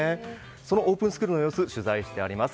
そのオープンスクールの様子を取材しています。